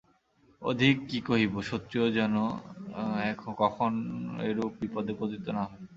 অধিক কি কহিব শত্রুও যেন কখন এরূপ বিপদে পতিত না হয়।